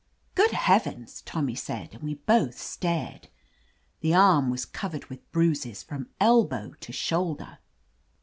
"Good heavens !" Tommy said, and we both stared. The arm was covered with bruises from elbow to shoulder!